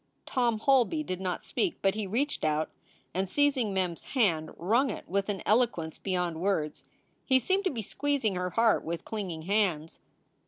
Tom Holby did not speak, but he reached out and, seizing Mem s hand, wrung it with an eloquence beyond words. He seemed to be squeezing her heart with clinging hands.